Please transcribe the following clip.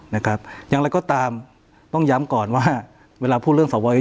นะครับอย่างไรก็ตามต้องย้ำก่อนว่าเวลาพูดเรื่องสวยเยอะ